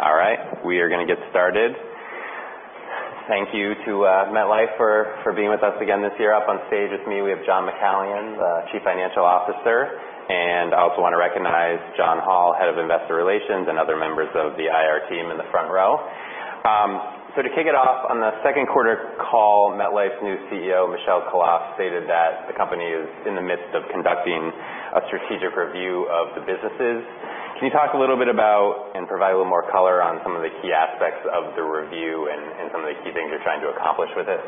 All right. We are going to get started. Thank you to MetLife for being with us again this year. Up on stage with me, we have John McCallion, the Chief Financial Officer, and I also want to recognize John Hall, Head of Investor Relations, and other members of the IR team in the front row. To kick it off, on the second quarter call, MetLife's new CEO, Michel Khalaf, stated that the company is in the midst of conducting a strategic review of the businesses. Can you talk a little bit about and provide a little more color on some of the key aspects of the review and some of the key things you're trying to accomplish with it?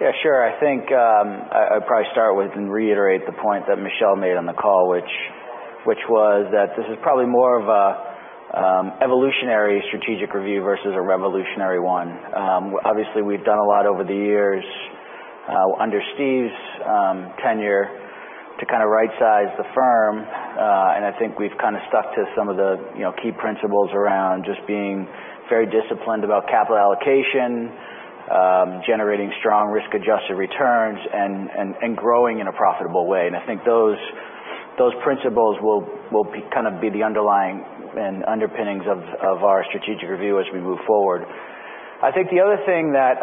Yeah, sure. I think I would probably start with and reiterate the point that Michel made on the call, which was that this is probably more of a evolutionary strategic review versus a revolutionary one. Obviously, we've done a lot over the years under Steve's tenure to kind of right-size the firm. I think we've kind of stuck to some of the key principles around just being very disciplined about capital allocation, generating strong risk-adjusted returns, and growing in a profitable way. I think those principles will be the underlying and underpinnings of our strategic review as we move forward. I think the other thing that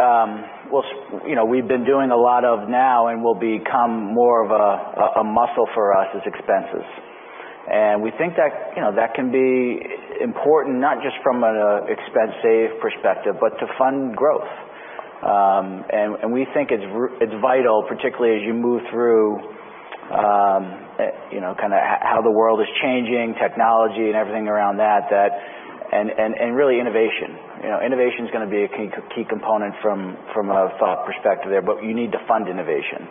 we've been doing a lot of now and will become more of a muscle for us is expenses. We think that can be important, not just from an expense save perspective, but to fund growth. We think it's vital, particularly as you move through kind of how the world is changing, technology and everything around that, and really innovation. Innovation is going to be a key component from a thought perspective there, but you need to fund innovation.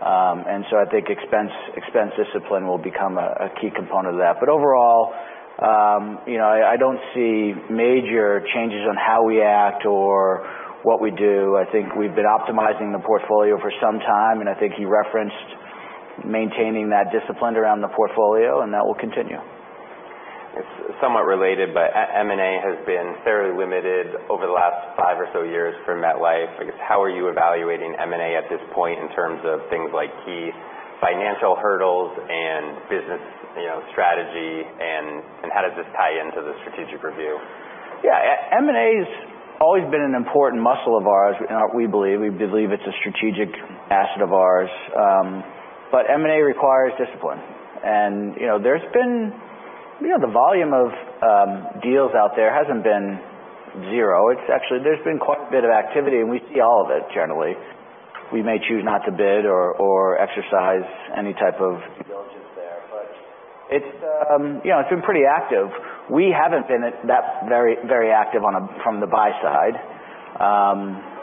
I think expense discipline will become a key component of that. Overall, I don't see major changes on how we act or what we do. I think we've been optimizing the portfolio for some time, and I think he referenced maintaining that discipline around the portfolio, and that will continue. It's somewhat related, but M&A has been fairly limited over the last five or so years for MetLife. I guess how are you evaluating M&A at this point in terms of things like key financial hurdles and business strategy, and how does this tie into the strategic review? Yeah. M&A's always been an important muscle of ours, we believe. We believe it's a strategic asset of ours. M&A requires discipline. The volume of deals out there hasn't been zero. There's been quite a bit of activity, and we see all of it generally. We may choose not to bid or exercise any type of diligence there. It's been pretty active. We haven't been that very active from the buy side.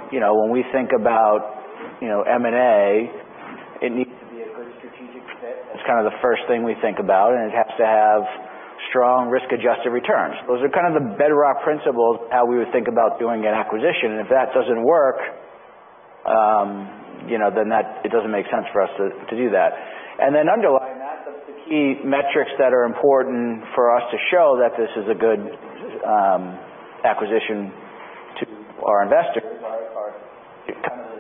When we think about M&A, it needs to be a good strategic fit. That's kind of the first thing we think about, and it has to have strong risk-adjusted returns. Those are kind of the bedrock principles how we would think about doing an acquisition, if that doesn't work then it doesn't make sense for us to do that. Underlying that, the key metrics that are important for us to show that this is a good acquisition to our investors are kind of the,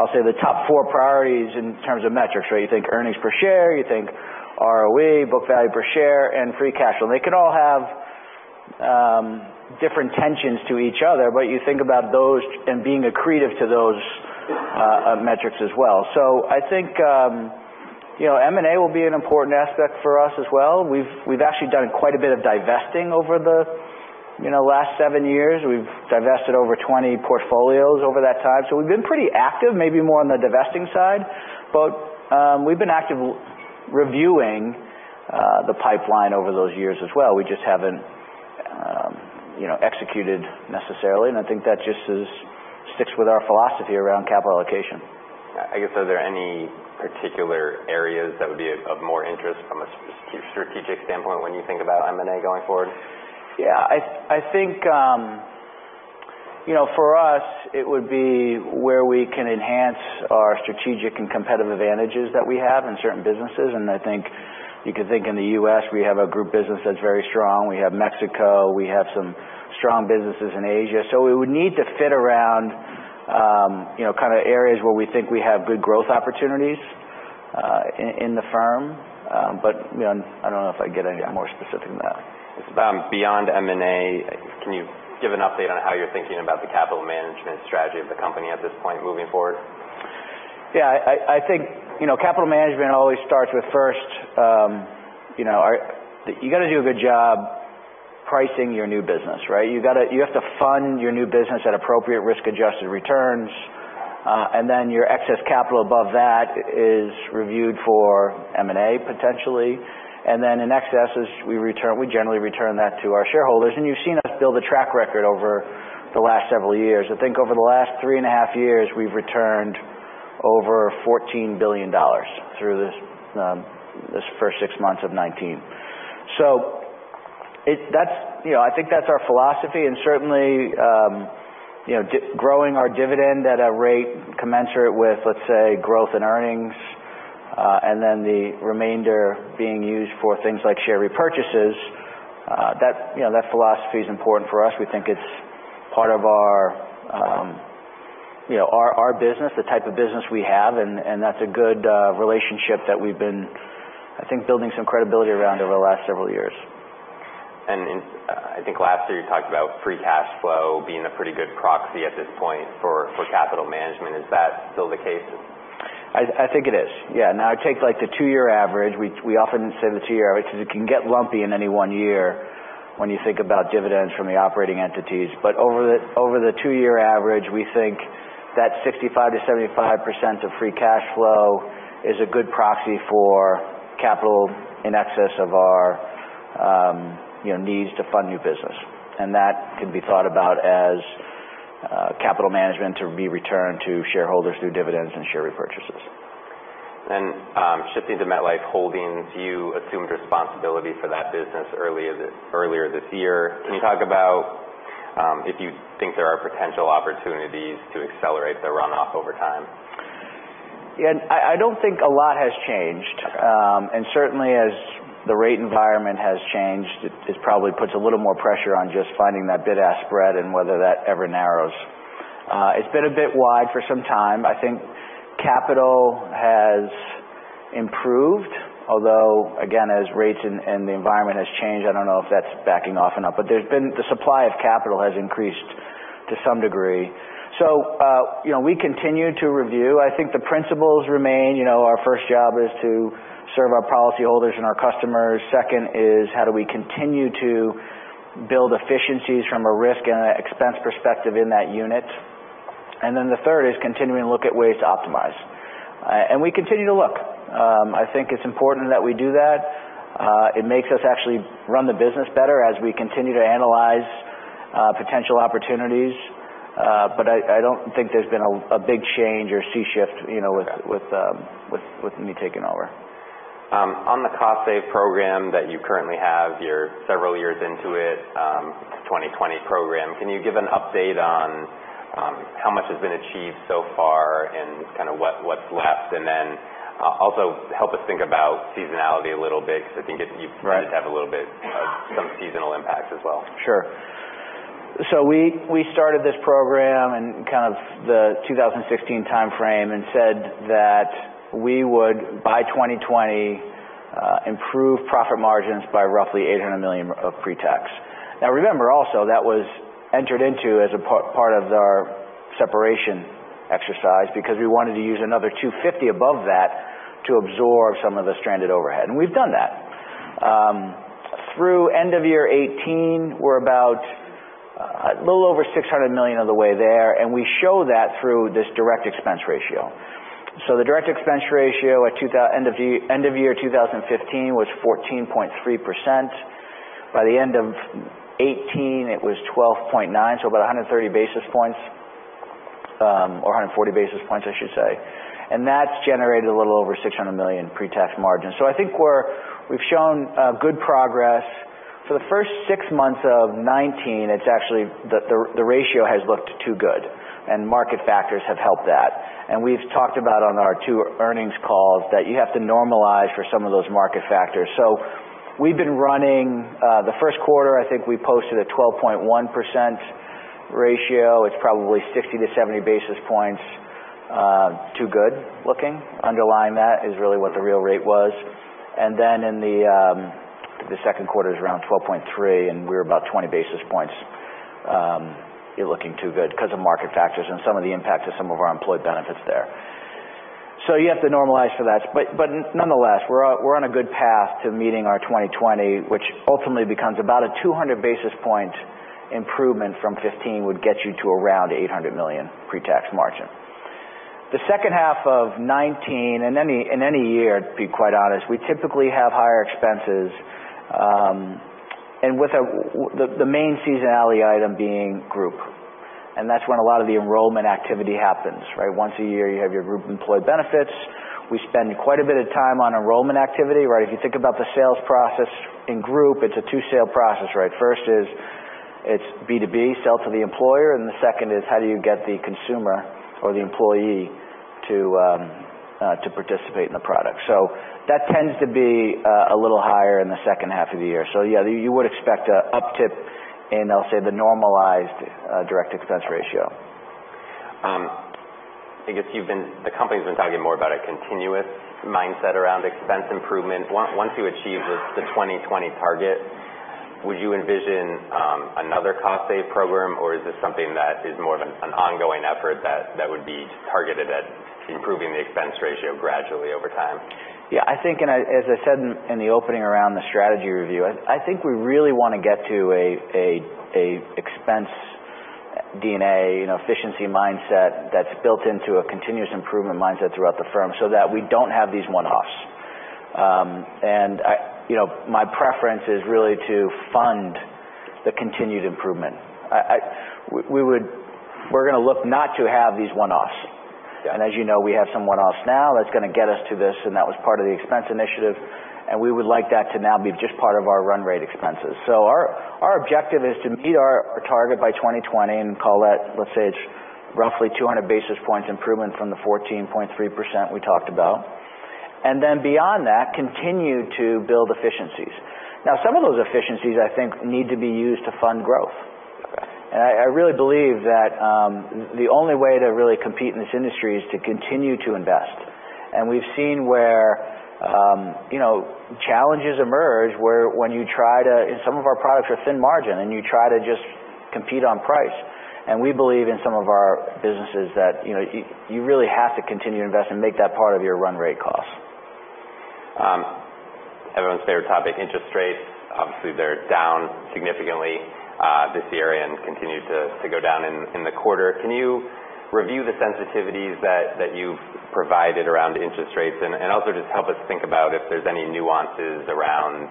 I'll say the top four priorities in terms of metrics. You think earnings per share, you think ROE, book value per share, and free cash flow. They can all have different tensions to each other, but you think about those and being accretive to those metrics as well. I think M&A will be an important aspect for us as well. We've actually done quite a bit of divesting over the last seven years. We've divested over 20 portfolios over that time. We've been pretty active, maybe more on the divesting side. We've been active reviewing the pipeline over those years as well. We just haven't executed necessarily, and I think that just sticks with our philosophy around capital allocation. I guess, are there any particular areas that would be of more interest from a strategic standpoint when you think about M&A going forward? Yeah. I think for us, it would be where we can enhance our strategic and competitive advantages that we have in certain businesses. I think you could think in the U.S., we have a group business that's very strong. We have Mexico, we have some strong businesses in Asia. It would need to fit around kind of areas where we think we have good growth opportunities in the firm. I don't know if I can get any more specific than that. Just beyond M&A, can you give an update on how you're thinking about the capital management strategy of the company at this point moving forward? Yeah. I think capital management always starts with first you got to do a good job pricing your new business, right? You have to fund your new business at appropriate risk-adjusted returns. Then your excess capital above that is reviewed for M&A, potentially. Then in excesses, we generally return that to our shareholders, and you've seen us build a track record over the last several years. I think over the last three and a half years, we've returned over $14 billion through this first six months of 2019. I think that's our philosophy and certainly growing our dividend at a rate commensurate with, let's say, growth and earnings. Then the remainder being used for things like share repurchases. That philosophy is important for us. We think it's part of Our business, the type of business we have, that's a good relationship that we've been, I think, building some credibility around over the last several years. I think last year you talked about free cash flow being a pretty good proxy at this point for capital management. Is that still the case? I think it is. Yeah. Now I take the two-year average. We often say the two-year average because it can get lumpy in any one year when you think about dividends from the operating entities. Over the two-year average, we think that 65%-75% of free cash flow is a good proxy for capital in excess of our needs to fund new business. That can be thought about as capital management to be returned to shareholders through dividends and share repurchases. Shifting to MetLife Holdings, you assumed responsibility for that business earlier this year. Yes. Can you talk about if you think there are potential opportunities to accelerate the runoff over time? Yeah. I don't think a lot has changed. Certainly as the rate environment has changed, it probably puts a little more pressure on just finding that bid-ask spread and whether that ever narrows. It's been a bit wide for some time. I think capital has improved, although again, as rates and the environment has changed, I don't know if that's backing off enough. The supply of capital has increased to some degree. We continue to review. I think the principles remain. Our first job is to serve our policyholders and our customers. Second is how do we continue to build efficiencies from a risk and an expense perspective in that unit. The third is continuing to look at ways to optimize. We continue to look. I think it's important that we do that. It makes us actually run the business better as we continue to analyze potential opportunities. I don't think there's been a big change or sea shift. Got it. With me taking over. On the cost save program that you currently have, you're several years into it, the 2020 program. Can you give an update on how much has been achieved so far and what's left? Also help us think about seasonality a little bit because I think. Right. It did have some seasonal impacts as well. Sure. We started this program in the 2016 timeframe and said that we would, by 2020, improve profit margins by roughly $800 million of pre-tax. Remember also, that was entered into as a part of our separation exercise because we wanted to use another $250 above that to absorb some of the stranded overhead. We've done that. Through end of year 2018, we're about a little over $600 million of the way there, and we show that through this direct expense ratio. The direct expense ratio at end of year 2015 was 14.3%. By the end of 2018, it was 12.9%, about 130 basis points, or 140 basis points, I should say. That's generated a little over $600 million pre-tax margin. I think we've shown good progress. For the first six months of 2019, the ratio has looked too good, and market factors have helped that. We've talked about on our two earnings calls that you have to normalize for some of those market factors. We've been running, the first quarter, I think we posted a 12.1% ratio. It's probably 60-70 basis points too good looking underlying that is really what the real rate was. In the second quarter is around 12.3%, and we were about 20 basis points looking too good because of market factors and some of the impact of some of our employee benefits there. You have to normalize for that. Nonetheless, we're on a good path to meeting our 2020, which ultimately becomes about a 200 basis point improvement from 2015 would get you to around $800 million pre-tax margin. The second half of 2019, in any year, to be quite honest, we typically have higher expenses, with the main seasonality item being Group. That's when a lot of the enrollment activity happens. Once a year, you have your group employee benefits. We spend quite a bit of time on enrollment activity. If you think about the sales process in Group, it's a two-sale process. First it's B2B, sell to the employer, and the second is how do you get the consumer or the employee to participate in the product. That tends to be a little higher in the second half of the year. Yeah, you would expect an uptick in, I'll say, the normalized direct expense ratio. I guess the company's been talking more about a continuous mindset around expense improvement. Once you achieve the 2020 target, would you envision another cost save program, or is this something that is more of an ongoing effort that would be targeted at improving the expense ratio gradually over time? Yeah. As I said in the opening around the strategy review, I think we really want to get to an expense DNA efficiency mindset that's built into a continuous improvement mindset throughout the firm so that we don't have these one-offs. My preference is really to fund the continued improvement. We're going to look not to have these one-offs. As you know, we have some one-offs now that's going to get us to this, and that was part of the expense initiative, and we would like that to now be just part of our run rate expenses. Our objective is to meet our target by 2020 and call that, let's say, it's roughly 200 basis points improvement from the 14.3% we talked about. Beyond that, continue to build efficiencies. Some of those efficiencies, I think, need to be used to fund growth. Okay. I really believe that the only way to really compete in this industry is to continue to invest. We've seen where challenges emerge when you try to. Some of our products are thin margin, and you try to just compete on price. We believe in some of our businesses that you really have to continue to invest and make that part of your run rate cost. Everyone's favorite topic, interest rates. Obviously, they're down significantly this year and continued to go down in the quarter. Can you review the sensitivities that you've provided around interest rates? Also just help us think about if there's any nuances around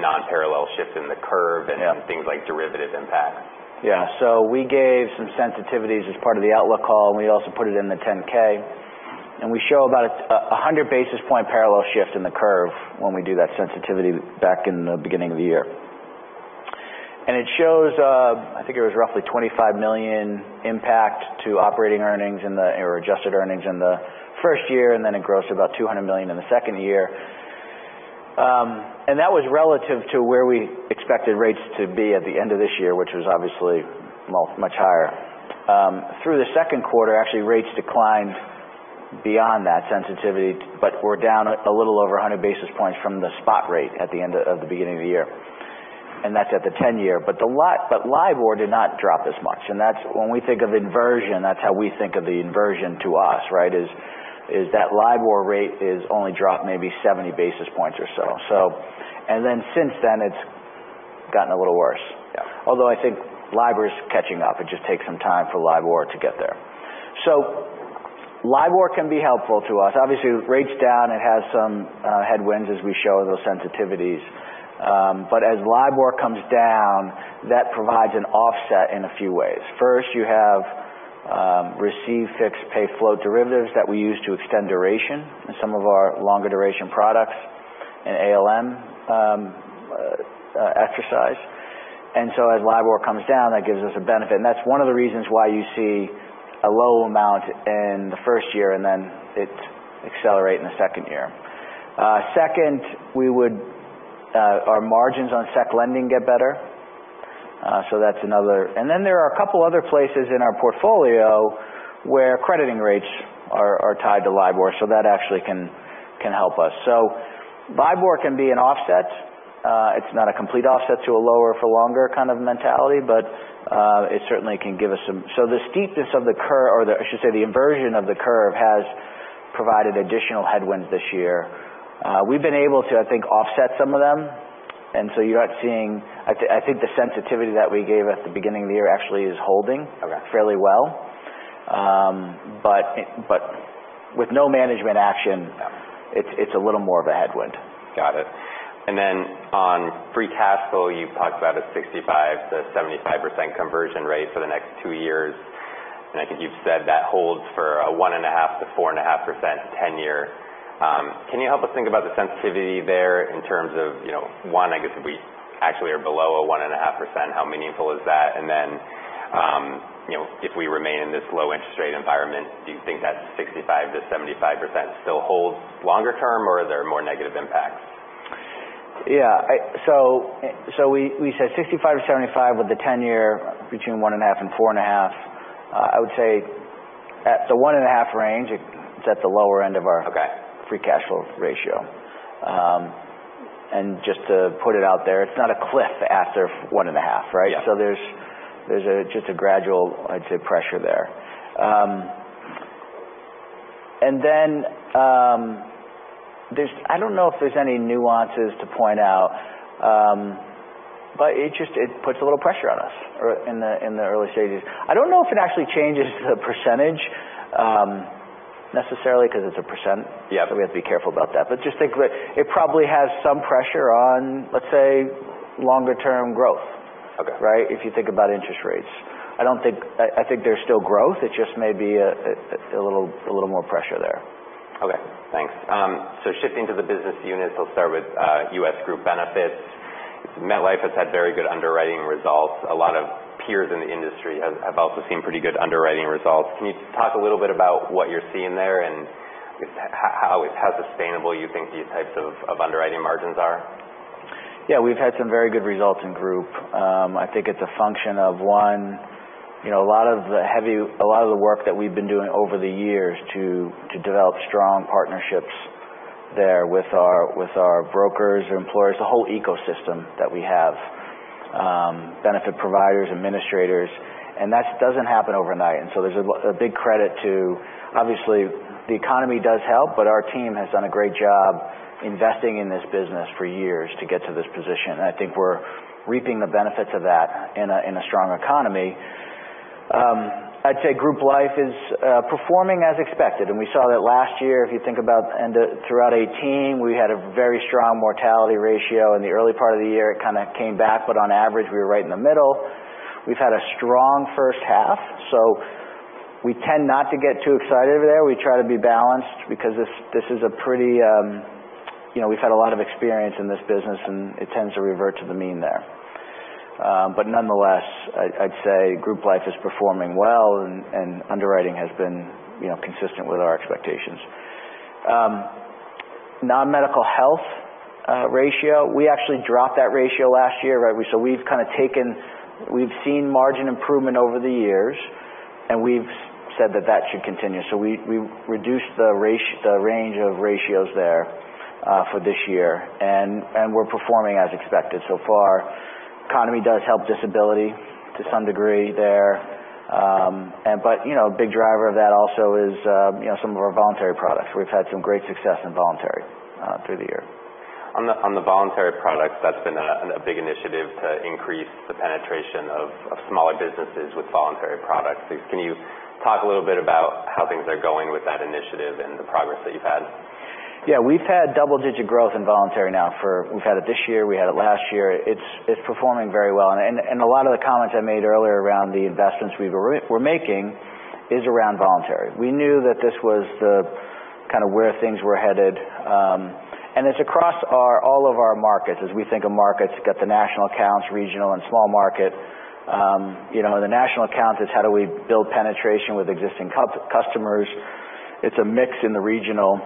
non-parallel shifts in the curve. Yeah. Things like derivative impact. Yeah. We gave some sensitivities as part of the outlook call, and we also put it in the 10-K. We show about a 100 basis point parallel shift in the curve when we do that sensitivity back in the beginning of the year. It shows, I think it was roughly $25 million impact to operating earnings in the, or adjusted earnings in the first year, and then it grows to about $200 million in the second year. That was relative to where we expected rates to be at the end of this year, which was obviously much higher. Through the second quarter, actually rates declined beyond that sensitivity, but we're down a little over 100 basis points from the spot rate at the beginning of the year. That's at the 10-year. LIBOR did not drop as much. When we think of inversion, that's how we think of the inversion to us, is that LIBOR rate is only dropped maybe 70 basis points or so. Okay. Since then, it's gotten a little worse. Yeah. I think LIBOR is catching up. It just takes some time for LIBOR to get there. LIBOR can be helpful to us. Obviously, rates down, it has some headwinds as we show those sensitivities. As LIBOR comes down, that provides an offset in a few ways. First, you have receive fixed pay float derivatives that we use to extend duration in some of our longer duration products in ALM exercise. As LIBOR comes down, that gives us a benefit. That's one of the reasons why you see a low amount in the first year, then it accelerate in the second year. Second, our margins on securities lending get better. That's another. There are a couple other places in our portfolio where crediting rates are tied to LIBOR, so that actually can help us. LIBOR can be an offset. It's not a complete offset to a lower for longer kind of mentality, it certainly can give us some. The steepness of the curve, or I should say the inversion of the curve has provided additional headwinds this year. We've been able to, I think, offset some of them, you're not seeing. I think the sensitivity that we gave at the beginning of the year actually is holding. Okay Fairly well. With no management action. Yeah It's a little more of a headwind. Got it. On free cash flow, you talked about a 65%-75% conversion rate for the next two years. I think you've said that holds for a 1.5%-4.5% 10-year. Can you help us think about the sensitivity there in terms of one, I guess if we actually are below a 1.5%, how meaningful is that? If we remain in this low interest rate environment, do you think that 65%-75% still holds longer term, or are there more negative impacts? Yeah. We said 65%-75% with the 10-year between 1.5%-4.5%. I would say at the 1.5% range, it's at the lower end of our Okay free cash flow ratio. Just to put it out there, it's not a cliff after 1.5%, right? Yeah. There's just a gradual, I'd say, pressure there. I don't know if there's any nuances to point out. It puts a little pressure on us in the early stages. I don't know if it actually changes the % necessarily because it's a %. Yeah. We have to be careful about that. Just think that it probably has some pressure on, let's say, longer term growth. Okay. Right? If you think about interest rates, I think there's still growth. It just may be a little more pressure there. Okay, thanks. Shifting to the business units, I'll start with US Group Benefits. MetLife has had very good underwriting results. A lot of peers in the industry have also seen pretty good underwriting results. Can you talk a little bit about what you're seeing there and how sustainable you think these types of underwriting margins are? Yeah, we've had some very good results in Group. I think it's a function of one, a lot of the work that we've been doing over the years to develop strong partnerships there with our brokers or employers, the whole ecosystem that we have. Benefit providers, administrators. That doesn't happen overnight. So there's a big credit to, obviously, the economy does help, but our team has done a great job investing in this business for years to get to this position. I think we're reaping the benefits of that in a strong economy. I'd say Group Life is performing as expected, and we saw that last year. If you think about throughout 2018, we had a very strong mortality ratio. In the early part of the year, it kind of came back, but on average, we were right in the middle. We've had a strong first half, so we tend not to get too excited over there. We try to be balanced because we've had a lot of experience in this business. It tends to revert to the mean there. Nonetheless, I'd say Group Life is performing well and underwriting has been consistent with our expectations. Non-medical health ratio, we actually dropped that ratio last year. We've seen margin improvement over the years, and we've said that that should continue. We reduced the range of ratios there for this year, and we're performing as expected so far. Economy does help disability to some degree there. A big driver of that also is some of our voluntary products. We've had some great success in voluntary through the year. On the voluntary products, that's been a big initiative to increase the penetration of smaller businesses with voluntary products. Can you talk a little bit about how things are going with that initiative and the progress that you've had? Yeah. We've had double-digit growth in voluntary now. We've had it this year, we had it last year. It's performing very well. A lot of the comments I made earlier around the investments we're making is around voluntary. We knew that this was where things were headed. It's across all of our markets as we think of markets, you got the national accounts, regional, and small market. The national accounts is how do we build penetration with existing customers. It's a mix in the regional,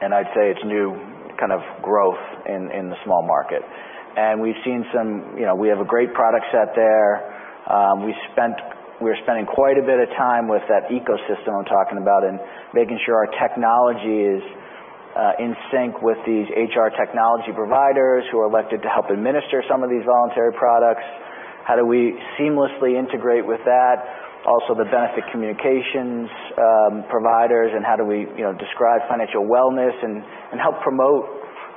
and I'd say it's new kind of growth in the small market. We have a great product set there. We're spending quite a bit of time with that ecosystem I'm talking about and making sure our technology is in sync with these HR technology providers who are elected to help administer some of these voluntary products. How do we seamlessly integrate with that? Also, the benefit communications providers, and how do we describe financial wellness and help promote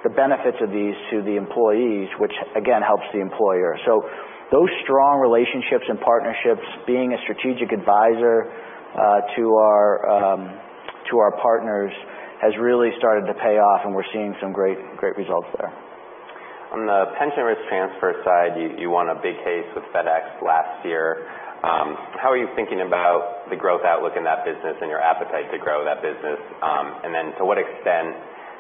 the benefits of these to the employees, which again, helps the employer. Those strong relationships and partnerships, being a strategic advisor to our partners, has really started to pay off, we're seeing some great results there. On the pension risk transfer side, you won a big case with FedEx last year. How are you thinking about the growth outlook in that business and your appetite to grow that business? To what extent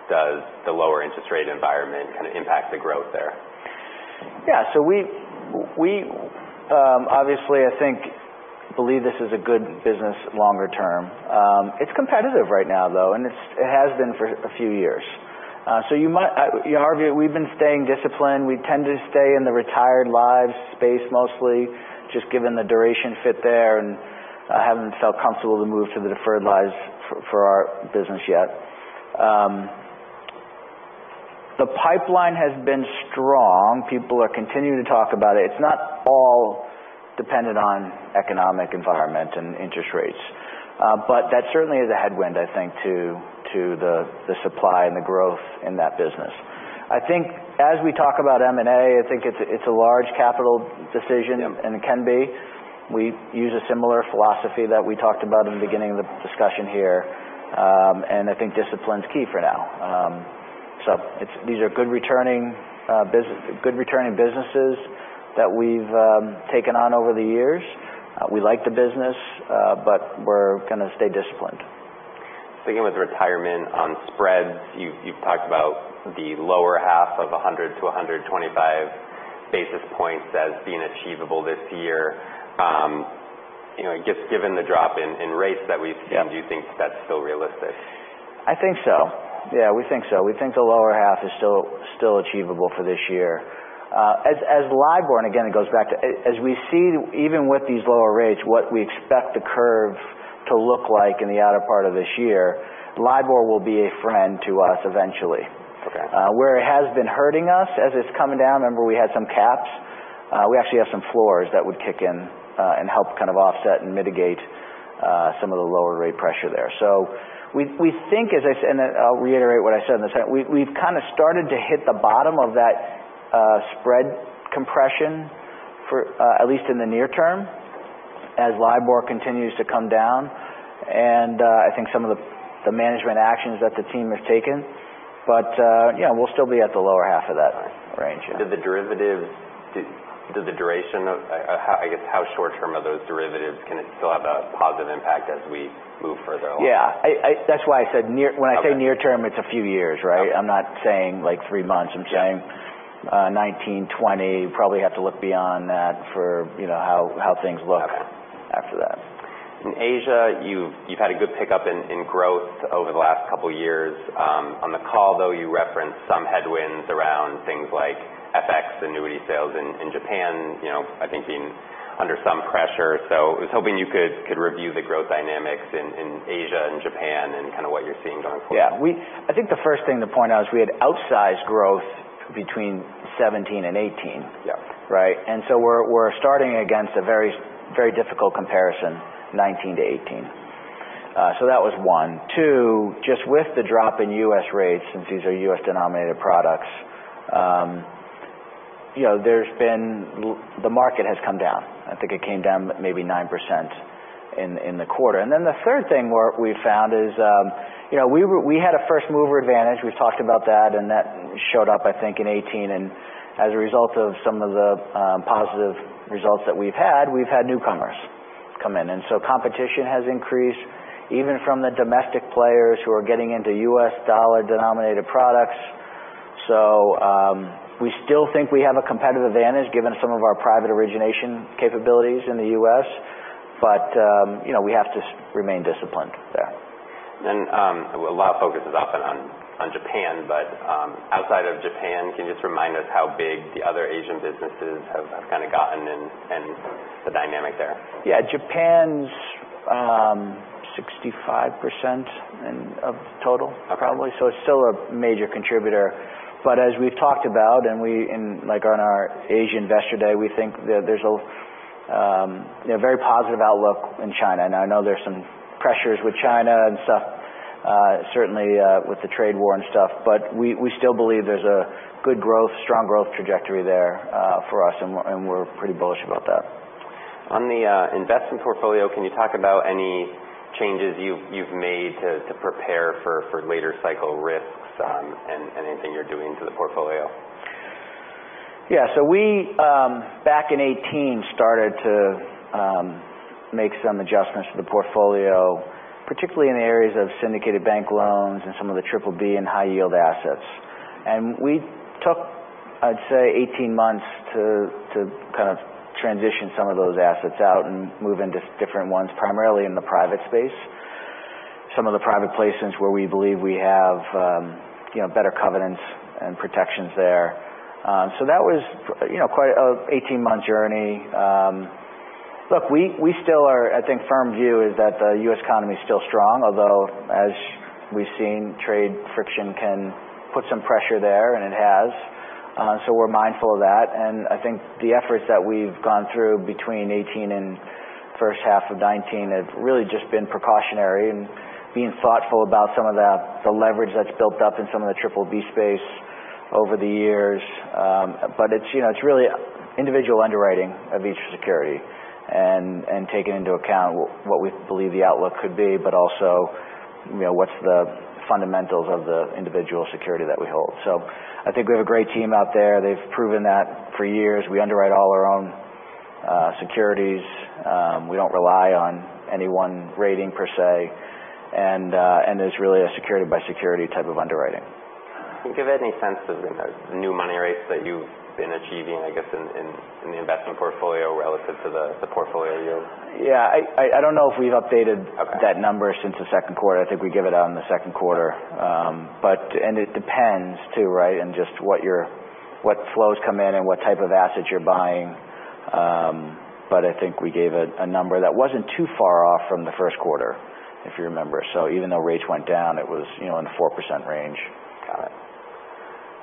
does the lower interest rate environment kind of impact the growth there? Yeah. We obviously, I think, believe this is a good business longer term. It's competitive right now, though, and it has been for a few years. We've been staying disciplined. We tend to stay in the retired lives space mostly, just given the duration fit there and haven't felt comfortable to move to the deferred lives for our business yet. The pipeline has been strong. People are continuing to talk about it. That certainly is a headwind, I think, to the supply and the growth in that business. I think as we talk about M&A, I think it's a large capital decision- Yep. It can be. We use a similar philosophy that we talked about in the beginning of the discussion here. I think discipline's key for now. These are good returning businesses that we've taken on over the years. We like the business, we're going to stay disciplined. Sticking with retirement on spreads, you've talked about the lower half of 100 to 125 basis points as being achievable this year. Given the drop in rates that we've seen. Yep. Do you think that's still realistic? I think so. Yeah, we think so. We think the lower half is still achievable for this year. As LIBOR, and again, it goes back to, as we see even with these lower rates, what we expect the curve to look like in the outer part of this year, LIBOR will be a friend to us eventually. Okay. Where it has been hurting us as it's coming down, remember we had some caps. We actually have some floors that would kick in and help kind of offset and mitigate some of the lower rate pressure there. We think, and I'll reiterate what I said, we've kind of started to hit the bottom of that spread compression, at least in the near term, as LIBOR continues to come down, and I think some of the management actions that the team has taken. We'll still be at the lower half of that range. Do the derivatives, I guess, how short-term are those derivatives? Can it still have a positive impact as we move further along? Yeah. That's why I said near. When I say near-term, it's a few years, right? I'm not saying three months. I'm saying 2019, 2020, probably have to look beyond that for how things look. Okay after that. In Asia, you've had a good pickup in growth over the last couple of years. On the call, though, you referenced some headwinds around things like FX annuity sales in Japan, I think being under some pressure. I was hoping you could review the growth dynamics in Asia and Japan and kind of what you're seeing going forward. Yeah. I think the first thing to point out is we had outsized growth between 2017 and 2018. Yeah. Right? We're starting against a very difficult comparison, 2019 to 2018. That was one. Two, just with the drop in U.S. rates, since these are U.S.-denominated products, the market has come down. I think it came down maybe 9% in the quarter. The third thing we've found is we had a first-mover advantage. We've talked about that, and that showed up, I think, in 2018. As a result of some of the positive results that we've had, we've had newcomers come in. Competition has increased even from the domestic players who are getting into U.S. dollar-denominated products. We still think we have a competitive advantage given some of our private origination capabilities in the U.S., but we have to remain disciplined there. A lot of focus is often on Japan, but outside of Japan, can you just remind us how big the other Asian businesses have gotten and the dynamic there? Yeah. Japan's 65% of total probably. Okay. It's still a major contributor. As we've talked about, and like on our Asia Investor Day, we think that there's a very positive outlook in China. I know there's some pressures with China and stuff, certainly with the trade war and stuff, but we still believe there's a good growth, strong growth trajectory there for us, and we're pretty bullish about that. On the investment portfolio, can you talk about any changes you've made to prepare for later cycle risks and anything you're doing to the portfolio? Yeah. We, back in 2018, started to make some adjustments to the portfolio, particularly in the areas of syndicated bank loans and some of the BBB and high-yield assets. We took, I'd say, 18 months to kind of transition some of those assets out and move into different ones, primarily in the private space. Some of the private placements where we believe we have better covenants and protections there. That was quite a 18-month journey. Look, we still are, I think firm view is that the U.S. economy is still strong, although as we've seen, trade friction can put some pressure there, and it has. We're mindful of that. I think the efforts that we've gone through between 2018 and first half of 2019 have really just been precautionary and being thoughtful about some of the leverage that's built up in some of the BBB space over the years. It's really individual underwriting of each security and taking into account what we believe the outlook could be, but also what's the fundamentals of the individual security that we hold. I think we have a great team out there. They've proven that for years. We underwrite all our own securities. We don't rely on any one rating per se, and it's really a security by security type of underwriting. Can you give any sense of the new money rates that you've been achieving, I guess, in the investment portfolio relative to the portfolio yield? Yeah. I don't know if we've updated Okay that number since the second quarter. I think we give it out in the second quarter. It depends too, right? In just what flows come in and what type of assets you're buying. I think we gave a number that wasn't too far off from the first quarter, if you remember. Even though rates went down, it was in the 4% range. Got it.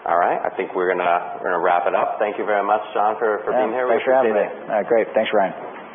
All right. I think we're going to wrap it up. Thank you very much, John, for being here with us today. Thanks for having me. Great. Thanks, Ryan.